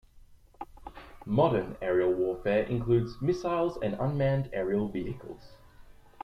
Modern aerial warfare includes missiles and unmanned aerial vehicles.